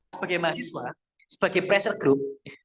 sebagai mahasiswa sebagai pressure group